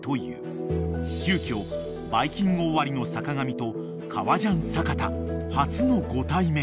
［急きょ『バイキング』終わりの坂上と革ジャン阪田初のご対面］